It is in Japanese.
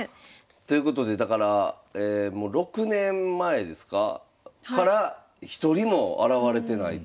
ということでだからもう６年前ですかから一人も現れてないという。